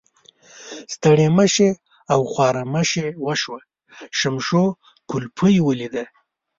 ستړي مشي او خوارمشي وشوه، شمشو کولپۍ ولیده.